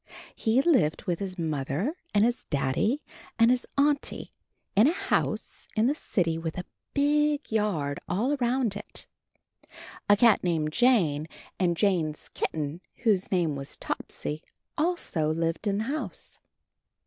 He lived with his Mother and his Daddy and his Auntie in a house in the city with a big yard all around it. A cat called Jane and Jane's kitten, whose name was Topsy, also lived in the house.